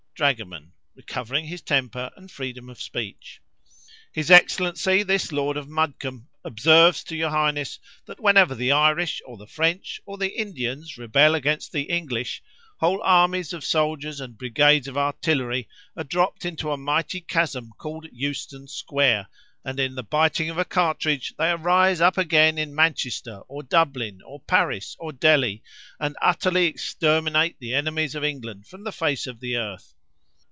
Dragoman (recovering his temper and freedom of speech).—His Excellency, this Lord of Mudcombe, observes to your Highness, that whenever the Irish, or the French, or the Indians rebel against the English, whole armies of soldiers, and brigades of artillery, are dropped into a mighty chasm called Euston Square, and in the biting of a cartridge they arise up again in Manchester, or Dublin, or Paris, or Delhi, and utterly exterminate the enemies of England from the face of the earth.